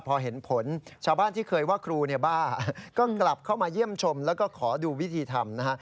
พอเห็นผลชาวบ้านที่เคยว่าครูเนี่ยบ้าก็กลับเข้ามาเยี่ยมชมแล้วก็ขอดูวิธีทำนะฮะ